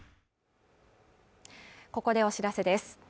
ここでお知らせです